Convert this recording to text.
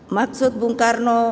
maksud bung karno